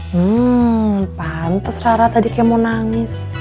hmm pantes rara tadi kayak mau nangis